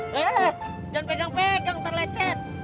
jangan pegang pegang terlecet